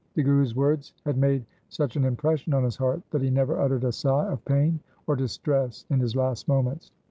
The Guru's words had made such an impression on his heart that he never uttered a sigh of pain or distress in his last moments.